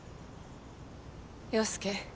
陽佑